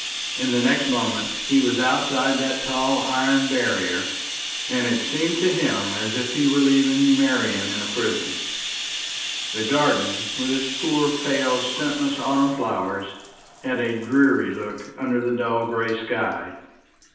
In the next moment he was outside that tall iron barrier; and it seemed to him as if he were leaving Marian in a prison. The garden, with its poor pale scentless autumn flowers, had a dreary look under the dull gray sky.